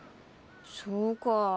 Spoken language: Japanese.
そうか。